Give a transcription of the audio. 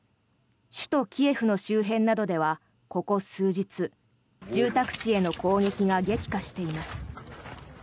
首都キエフの周辺などではここ数日住宅地への攻撃が激化しています。